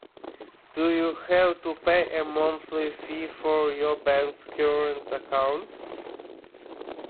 Do you have to pay a monthly fee for your bank’s current account?